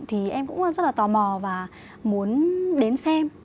thì em cũng rất là tò mò và muốn đến xem